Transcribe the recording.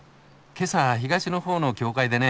今朝東のほうの教会でね。